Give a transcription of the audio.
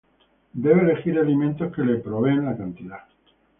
debe elegir alimentos que le proveen la cantidad